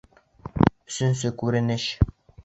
Өсөнсө күренеш